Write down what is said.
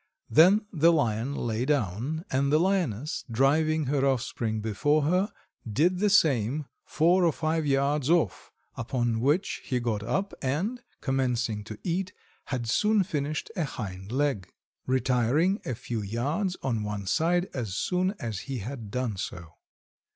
Then the Lion lay down, and the Lioness, driving her offspring before her, did the same, four or five yards off, upon which he got up and, commencing to eat, had soon finished a hind leg, retiring a few yards on one side as soon as he had done so.